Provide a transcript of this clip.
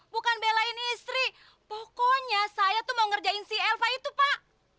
bukan belain istri pokoknya saya tuh mau ngerjain si elva itu pak